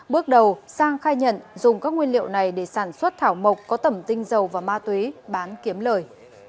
bước đầu sang khai nhận dùng các nguyên liệu này để sản xuất thảo mộc có tẩm tinh dầu và ma túy bán kiếm lời